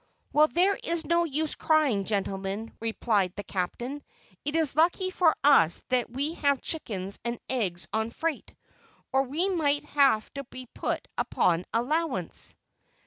"Well, there is no use crying, gentlemen," replied the captain; "it is lucky for us that we have chickens and eggs on freight, or we might have to be put upon allowance."